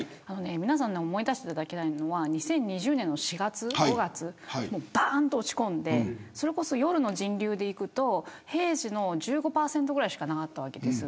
皆さんに思い出していただきたいのは２０２０年の４、５月ばーんと落ち込んで夜の人流でいくと平時の１５％しかなかったわけです。